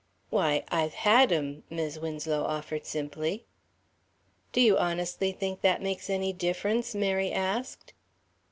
"Why, I've had 'em," Mis' Winslow offered simply. "Do you honestly think that makes any difference?" Mary asked.